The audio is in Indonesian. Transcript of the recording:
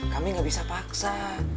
kami gak bisa paksa